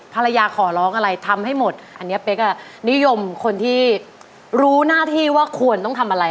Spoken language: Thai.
ขอร้องอะไรทำให้หมดอันนี้เป๊กอ่ะนิยมคนที่รู้หน้าที่ว่าควรต้องทำอะไร